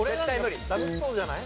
ダメそうじゃない？